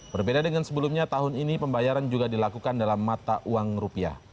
berbeda dengan sebelumnya tahun ini pembayaran juga dilakukan dalam mata uang rupiah